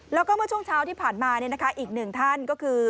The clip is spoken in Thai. แล้วก็เมื่อช่วงเช้าที่ผ่านมาอีกหนึ่งท่านก็คือ